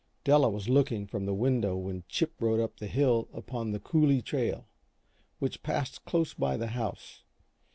Della was looking from the window when Chip rode up the hill upon the "coulee trail," which passed close by the house.